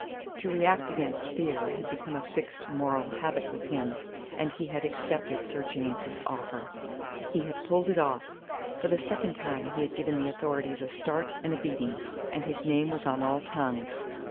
To react against fear had become a fixed moral habit with him, and he had accepted Sir James's offer. He had pulled it off. For the second time he had given the authorities a start and a beating, and his name was on all tongues.